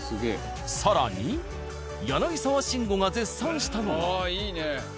更に柳沢慎吾が絶賛したのが。